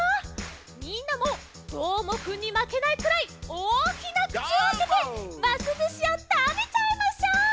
みんなもどーもくんにまけないくらいおおきなくちをあけてますずしをたべちゃいましょう！